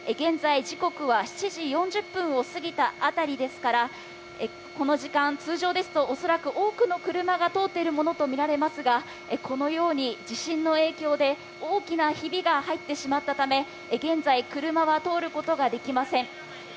現在時刻は７時４０分を過ぎたあたりですから、この時間、通常ですと、おそらく多くの車が通っているものとみられますが、このように地震の影響で大きなヒビが入ってしまったため、現在、車が通ることができません。